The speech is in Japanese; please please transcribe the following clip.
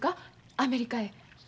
アメリカへ。